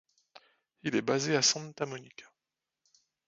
Il est basé à Santa Monica.